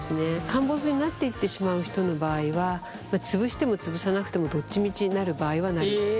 陥没になっていってしまう人の場合は潰しても潰さなくてもどっちみちなる場合はなるという。